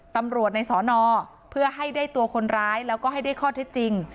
ตำรวจในสอนอเพื่อให้ได้ตัวคนร้ายแล้วก็ให้ได้ข้อเท็จจริง